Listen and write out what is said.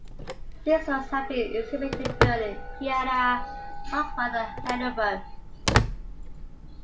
These works have been exhibited in Berlin, Vienna, Salzburg and Heidelberg.